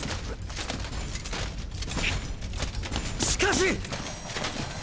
しかし！